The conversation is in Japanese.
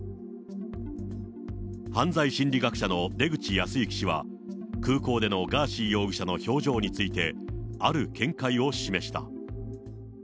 犯罪心理学者の出口保行氏は、空港でのガーシー容疑者の表情について、ある見解を示した。